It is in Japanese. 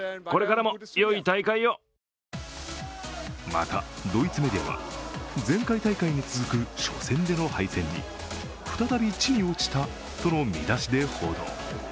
また、ドイツメディアは、前回大会に続く初戦での敗戦に再び、地に落ちたとの見出しで報道。